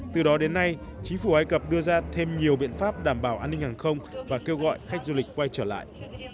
từ đó đến nay chính phủ ai cập đưa ra thêm nhiều biện pháp đảm bảo an ninh hàng không và kêu gọi khách du lịch quay trở lại